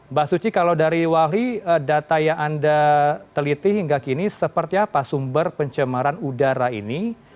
mbak suci kalau dari walhi data yang anda teliti hingga kini seperti apa sumber pencemaran udara ini